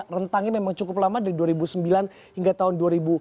rentangnya memang cukup lama dari dua ribu sembilan hingga tahun dua ribu dua puluh